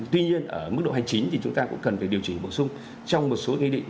tuy nhiên ở mức độ hành chính thì chúng ta cũng cần phải điều chỉnh bổ sung trong một số nghị định